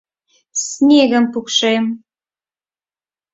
Снегым пукшем!